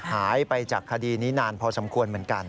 หายไปจากคดีนี้นานพอสมควรเหมือนกัน